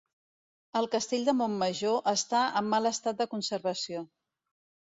El castell de Montmajor està en mal estat de conservació.